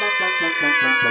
aku bukan hantu